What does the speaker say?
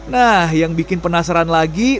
nah yang bikin penasaran lagi